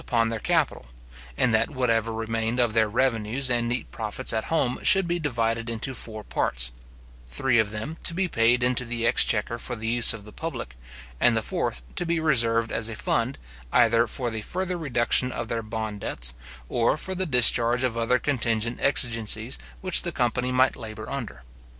upon their capital; and that whatever remained of their revenues and neat profits at home should be divided into four parts; three of them to be paid into the exchequer for the use of the public, and the fourth to be reserved as a fund, either for the further reduction of their bond debts, or for the discharge of other contingent exigencies which the company might labour under.